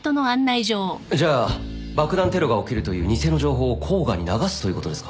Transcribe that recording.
じゃあ爆弾テロが起きるという偽の情報を甲賀に流すということですか？